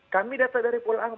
kami data dari pulau anggung